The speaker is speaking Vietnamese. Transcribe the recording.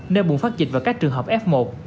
nên buồn phát dịch và các trường hợp f một